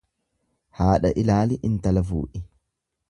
Haadha ilaali intala fuudhi.